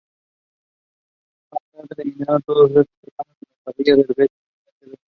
Más tarde, eliminaron estos dos programas de la parrilla de Veo Tv.